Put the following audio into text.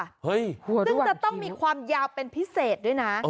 ซึ่งจะต้องมีความยาวเป็นพิเศษด้วยนะ